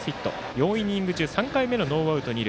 ４イニング中３回目のノーアウト、二塁。